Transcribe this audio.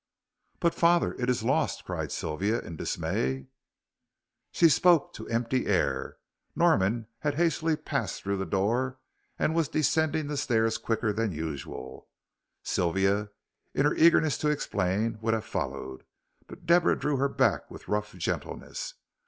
"But, father, it is lost," cried Sylvia, in dismay. She spoke to the empty air. Norman had hastily passed through the door and was descending the stairs quicker than usual. Sylvia, in her eagerness to explain, would have followed, but Deborah drew her back with rough gentleness.